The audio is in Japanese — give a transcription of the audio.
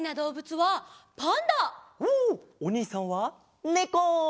おにいさんはねこ！